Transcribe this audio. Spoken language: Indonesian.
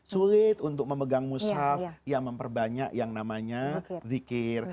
sulit untuk memegang mushaf ya memperbanyak yang namanya zikir